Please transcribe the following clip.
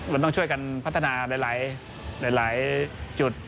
เราต้องช่วยกันพัฒนาหลายจุด